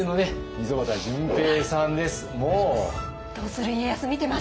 溝端淳平さんです。